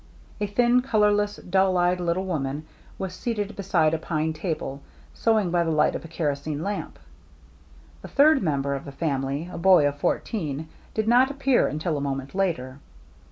A thin, colorless, dull eyed little woman was seated beside a pine table, sewing by the light of a kerosene lamp. The third member of the family, a boy of fourteen, did not appear until a moment later.